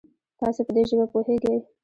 تاسو په دي ژبه پوهږئ؟